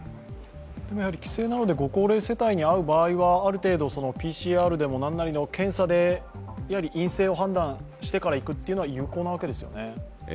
帰省の方で高齢世帯に会う場合には、ＰＣＲなどの検査で陰性を判断してから行くというのは有効なわけですよね。